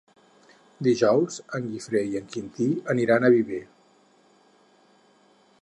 Dijous en Guifré i en Quintí aniran a Viver.